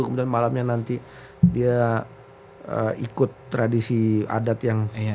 kemudian malamnya nanti dia ikut tradisi adat yang